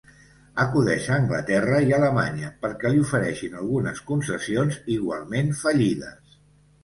Acudeix a Anglaterra i Alemanya perquè li ofereixin algunes concessions igualment fallides.